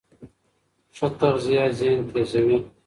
ښه تغذیه ذهن تېزوي.